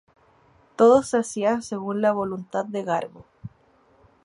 Todo se hacía según la voluntad de Garbo.